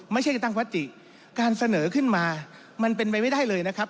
ไม่ใช่จะตั้งวติการเสนอขึ้นมามันเป็นไปไม่ได้เลยนะครับ